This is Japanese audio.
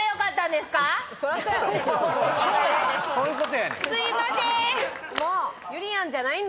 すいませーん！